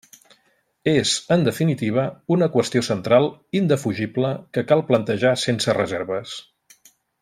És, en definitiva, una qüestió central, indefugible, que cal plantejar sense reserves.